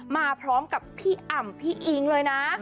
มาพร้อมกับพี่อ่ำพี่อิ๊งเลยนะ